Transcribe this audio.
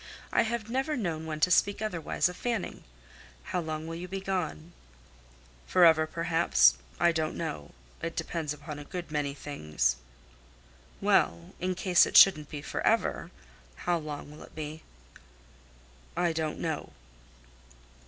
I have never known one to speak otherwise of fanning. How long will you be gone?" "Forever, perhaps. I don't know. It depends upon a good many things." "Well, in case it shouldn't be forever, how long will it be?" "I don't know."